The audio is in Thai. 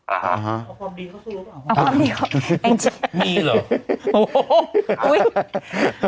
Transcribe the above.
เอาความดีเข้าสู้หรือเปล่า